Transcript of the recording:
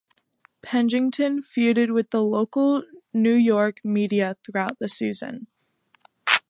Pennington feuded with the local New York media throughout the season.